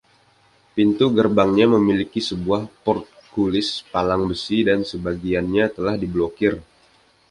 Pintu gerbangnya memiliki sebuah portkulis, palang besi, dan sebagiannya telah diblokir.